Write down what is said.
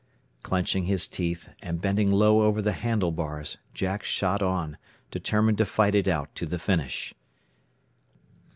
Clenching his teeth, and bending low over the handlebars, Jack shot on, determined to fight it out to the finish.